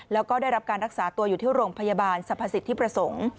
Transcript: แล้วก็ได้รับการรักษาตัวอยู่ที่โรงพยาบาลสรรพสิทธิประสงค์